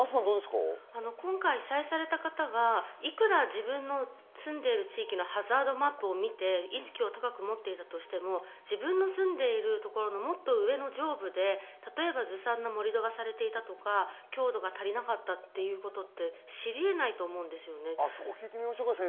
今回被災されたかたが自分の住んでいる地域のハザードマップを見て意識を高く持っていたとしても自分の住んでいるところのもっと上の上部でずさんな盛り土がされていたとか、強度が足りなかったということは知り得ないと思います。